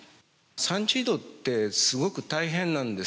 産地移動ってすごく大変なんです